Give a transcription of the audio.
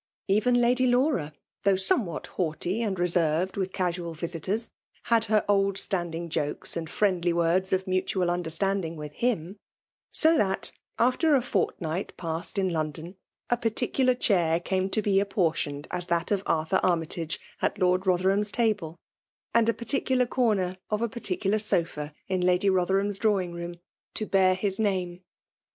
Even Lady Laura, thougb somewhat haughty and reserved with casual visiters, had her old standing jokes andfrien^ words of mutual understanding with Aim; so that, after a fortnight passed in London, a par ticular chair came to be apportioned as that of Arthur Armytage at Lord Rotherham's table, and a particular comer of a particular sob, in Lady Botherham's drawing room, to bear his name.